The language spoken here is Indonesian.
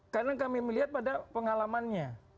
karena kami melihat pada pengalamannya